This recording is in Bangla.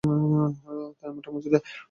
ভাই, আমারটা মুছে দে।